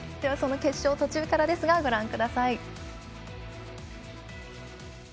その決勝、途中からですがご覧ください。